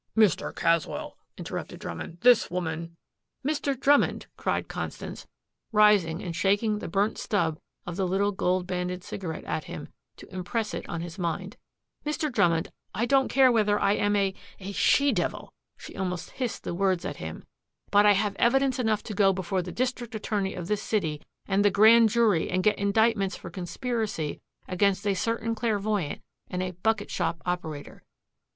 "Mr. Caswell," interrupted Drummond, "this woman " "Mr. Drummond," cried Constance, rising and shaking the burnt stub of the little gold banded cigarette at him to impress it on his mind, "Mr. Drummond, I don't care whether I am a a she devil" she almost hissed the words at him "but I have evidence enough to go before the district attorney of this city and the grand jury and get indictments for conspiracy against a certain clairvoyant and a bucket shop operator.